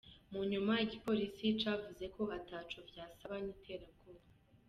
Mu nyuma igipolisi cavuze ko ata co vyasana n'iterabwoba.